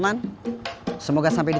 ada uang tersebut di luar negara